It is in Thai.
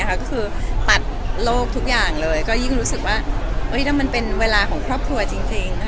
ก็คือตัดโลกทุกอย่างเลยก็ยิ่งรู้สึกว่ามันเป็นเวลาของครอบครัวจริง